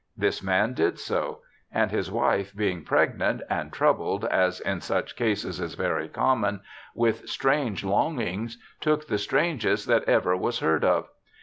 This man did so. And his wife being pregnant, and troubled, as in such cases is very common, with strange longings, took the strangest that ever was heard of.